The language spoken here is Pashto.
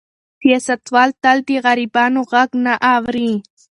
سیاستوال تل د غریبانو غږ نه اوري.